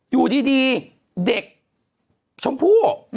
อยู่ดีเด็กชมพู่